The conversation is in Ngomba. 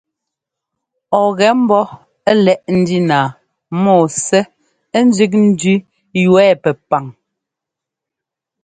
Ɔ ŋgɛ ḿbɔ́ lɛ́ꞌ ndína mɔ́ɔ Ssɛ́ ńzẅík ndẅí yu ɛ pɛpaŋ.